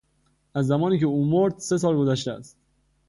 از زمانی که او مرد سه سال گذشته است.